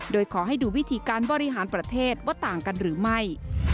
โดยขอให้ดูวิธีการบริหารประเทศว่าต่างกันหรือไม่